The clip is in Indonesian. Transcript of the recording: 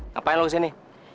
ngapain lo disini